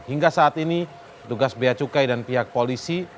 hingga saat ini petugas ba cukai dan pihak polisi